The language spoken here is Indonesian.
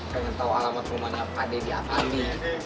pengen tau alamat rumahnya apa deh di afandi